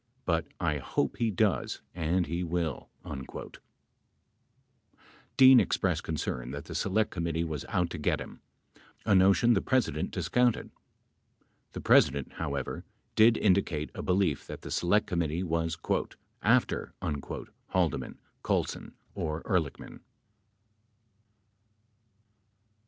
But I hope he does and he will." 33 [Emphasis added.] Dean expressed concern that the Select Committee was out to get him, a notion the President discounted. The President, however, did indicate a belief that the Select Committee was "after" Haldeman, Colson, or Ehrlich man.